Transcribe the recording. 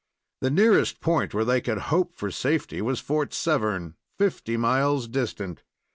The nearest point where they could hope for safety was Fort Severn, fifty miles distant.